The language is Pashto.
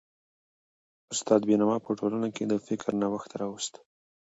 استاد بينوا په ټولنه کي د فکر نوښت راوست.